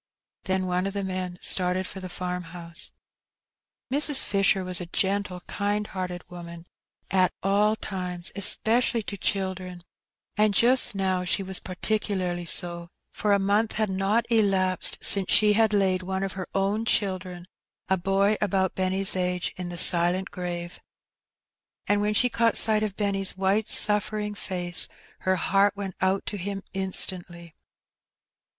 Then one of the men started for the farmhouse. Mrs. Fisher was a gentle, kind hearted woman at all The Border Land. 219 times, especially to children, and jnst now she was partd cnlarly so, for a month had not elapsed since she had laid one of her own children, a boy of about Benny's ^e, in the silent grave. And when she caught sight of Benny's white suffering face, her heart went out to him instantly.